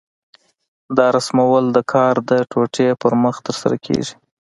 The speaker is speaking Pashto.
دا رسمول د کار د ټوټې پر مخ ترسره کېږي.